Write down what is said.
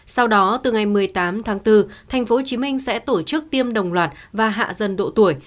sau đó từ ngày một mươi tám tháng bốn tp hcm sẽ tổ chức tiêm đồng loạt và hạ dần độ tuổi